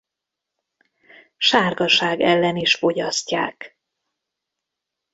Sárgaság ellen is fogyasztják.